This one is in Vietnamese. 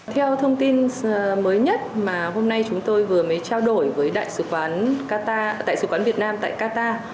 theo thông tin mới nhất mà hôm nay chúng tôi vừa mới trao đổi với đại sứ quán việt nam tại qatar